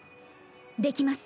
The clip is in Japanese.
できます。